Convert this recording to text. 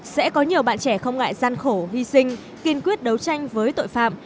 sẽ có nhiều bạn trẻ không ngại gian khổ hy sinh kiên quyết đấu tranh với tội phạm